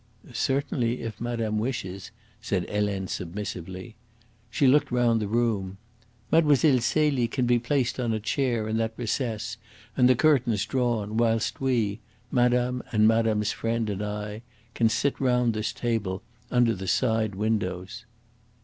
"Certainly, if madame wishes," said Helene submissively. She looked round the room. "Mlle. Celie can be placed on a chair in that recess and the curtains drawn, whilst we madame and madame's friend and I can sit round this table under the side windows."